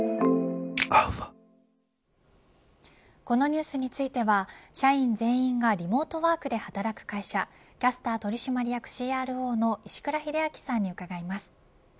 このニュースについては社員全員がリモートワークで働く会社キャスター取締役ＣＲＯの石倉秀明さんに伺います。